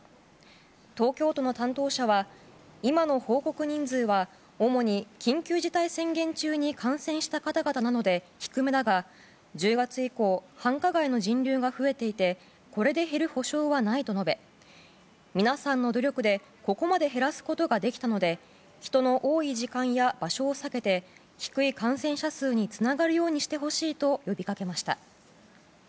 東京都の担当者は今の報告人数は主に緊急事態宣言中に感染した方々なので低めだが１０月以降繁華街の人流が増えていてこれで減る保証はないと述べ皆さんの努力でここまで減らすことができたので人の多い時間や場所を避けて低い感染者数につながるようにしてほしいと呼びかけました。